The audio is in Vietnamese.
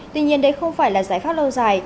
tuy nhiên đây không phải là giải pháp lâu dài